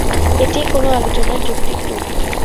এটিই কোন আলোচনার যৌক্তিক রূপ।